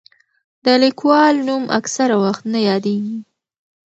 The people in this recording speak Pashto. د لیکوال نوم اکثره وخت نه یادېږي.